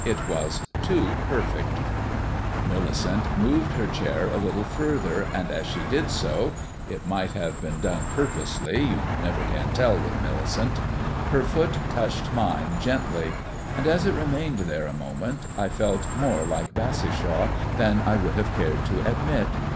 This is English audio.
"It was too perfect." Millicent moved her chair a little further, and, as she did so it might have been done purposely you never can tell with Millicent her foot touched mine gently; and as it remained there a moment, I felt more like Bassishaw than I would have cared to admit.